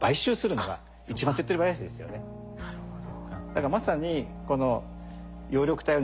なるほど。